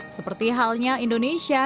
seperti halnya indonesia